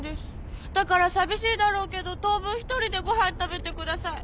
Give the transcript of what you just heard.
だから寂しいだろうけど当分一人でご飯食べてください。